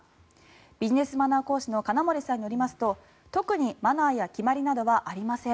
ビジネスマナー講師の金森さんによりますと特にマナーや決まりなどはありません